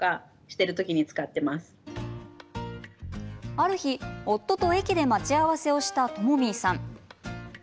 ある日、夫と駅で待ち合わせしたＴｏｍｏｍｙさん。